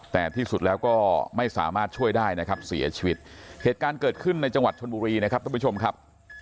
แต่ที่สุดแล้วก็ไม่สามารถช่วยได้นะครับเสียชีวิตเหตุการณ์เกิดขึ้นในจังหวัดชนบุรีนะครับท่านผู้ชมครับ